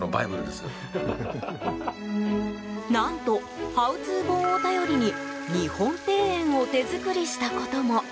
何と、ハウツー本を頼りに日本庭園を手造りしたことも。